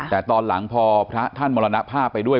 แต่ตอนหลังพอพระท่านมรณภาพไปด้วย